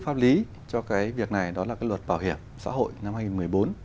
pháp lý cho việc này là luật bảo hiểm xã hội năm hai nghìn một mươi bốn